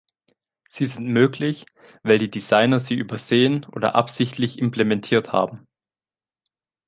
Sie sind möglich, weil die Designer sie übersehen oder absichtlich implementiert haben.